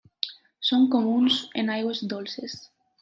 Són comuns en aigües dolces.